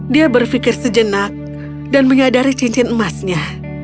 dia berpikir sejenak dan menyadari cincin emasnya